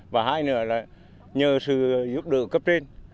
và hai nữa là nhờ sự giúp đỡ cấp trên